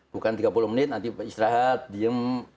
bukan tiga puluh menit nanti istirahat diem